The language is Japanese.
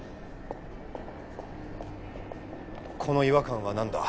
この違和感は何だ？